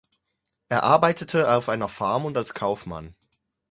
Er arbeitete auf einer Farm und als Kaufmann.